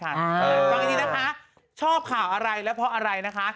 ความจริงที่นะคะชอบข่าวอะไรและเพราะอะไรนะคะ